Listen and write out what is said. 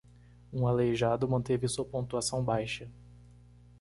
Um aleijado manteve sua pontuação baixa.